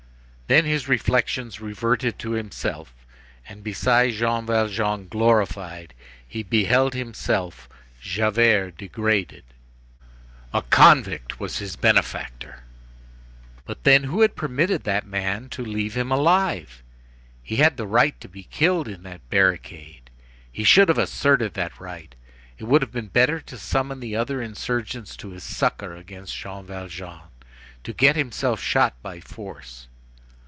Then his reflections reverted to himself and beside Jean Valjean glorified he beheld himself, Javert, degraded. A convict was his benefactor! But then, why had he permitted that man to leave him alive? He had the right to be killed in that barricade. He should have asserted that right. It would have been better to summon the other insurgents to his succor against Jean Valjean, to get himself shot by force.